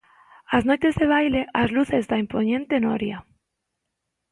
As noites de baile, as luces da impoñente noria.